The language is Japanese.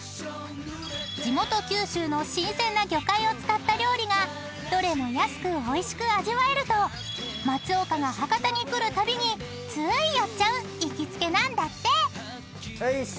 ［地元九州の新鮮な魚介を使った料理がどれも安くおいしく味わえると松岡が博多に来るたびについ寄っちゃう行きつけなんだって］